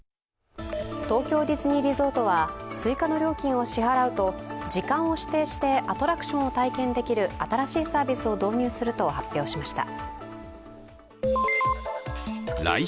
東京ディズニーリゾートは追加の料金を支払うと時間を指定してアトラクションを体験できる新しいサービスを導入すると発表しました。